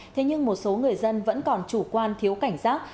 thế nhưng một số người dân vẫn còn chủ quan thiếu cảnh giác